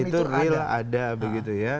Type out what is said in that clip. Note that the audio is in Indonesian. itu real ada begitu ya